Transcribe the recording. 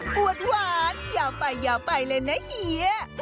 ปวดหวานยาวไปเลยนะเฮีย